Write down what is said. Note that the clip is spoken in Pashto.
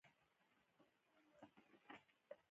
یو څو بې معنا شعارونه ورکړل شوي.